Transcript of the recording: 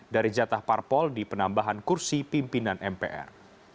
dari jatah parpol di penambahan kursi pimpinan mpr